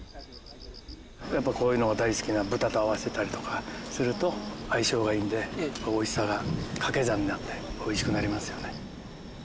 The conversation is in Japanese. やっぱこういうのを大好きな豚と合わせたりすると相性がいいので美味しさが掛け算になって美味しくなりますよね。